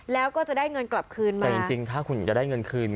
แล้วก็จะได้เงินกลับคืนมาแต่จริงจริงถ้าคุณจะได้เงินคืน